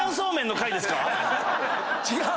違う！